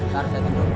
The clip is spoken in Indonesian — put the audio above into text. harus saya tunggu